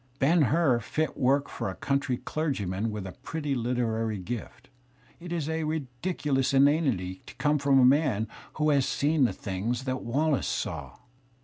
"Ben Hur," fit work for a countiy clergyman with a pretty literary gift, is a ridiculous inanity to come from a man who has seen the things that Wallace saw!